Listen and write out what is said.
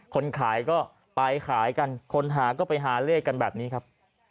คนขายก็ไปขายกันคนหาก็ไปหาเลขกันแบบนี้ครับ